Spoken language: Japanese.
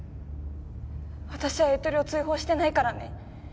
私はゆとりを追放してないからね。